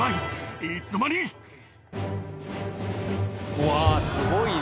うわすごいな。